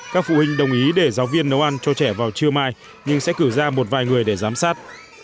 các phụ huynh đồng ý để giáo viên nấu ăn cho trẻ vào trưa mai nhưng sẽ cử ra một vài người để giám sát